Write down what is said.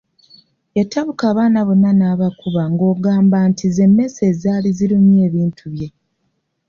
Yatabuka abaana bonna n’abakuba ng’ogamba nti z’emmesse ezaali zirumye ebintu bye.